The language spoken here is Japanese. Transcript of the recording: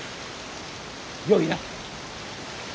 よいな。